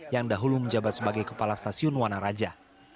yang dahulu menjabat sebagai kepala stasiun wanaraja